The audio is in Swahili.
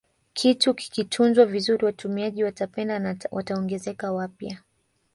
Kitu kikitunzwa vizuri watumiaji watapenda na wataongezeka wapya